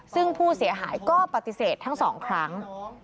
ซึ่งผู้เสียหายก็ปฏิเสธทั้งสองครั้ง